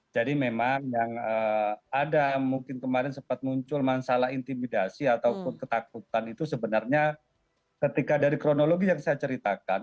jadi memang yang ada mungkin kemarin sempat muncul masalah intimidasi ataupun ketakutan itu sebenarnya ketika dari kronologi yang saya ceritakan